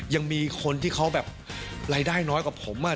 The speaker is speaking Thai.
ยังมีคนที่เขาแบบรายได้น้อยกว่าผม